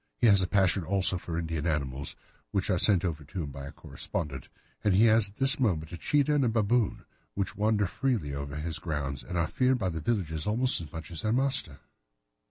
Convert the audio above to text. He has a passion also for Indian animals, which are sent over to him by a correspondent, and he has at this moment a cheetah and a baboon, which wander freely over his grounds and are feared by the villagers almost as much as their master.